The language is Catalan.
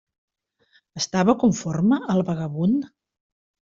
Estava conforme el vagabund?